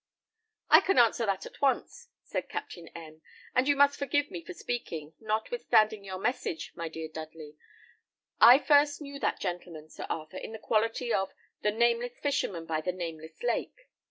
"I can answer that question at once," said Captain M ; "and you must forgive me for speaking, notwithstanding your message, my dear Dudley. I first knew that gentleman, Sir Arthur, in the quality of the Nameless Fisherman by the Nameless Lake.